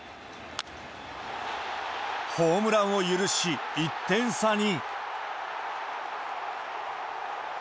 ホームランを許し、１点差に。